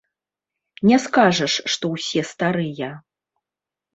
Не скажаш, што ўсе старыя.